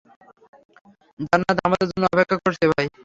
জান্নাত আমাদের জন্য অপেক্ষা করছে, ভাই।